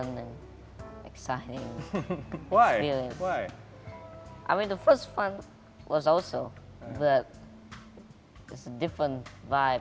dan telah dinominasi untuk dua kategori di grammy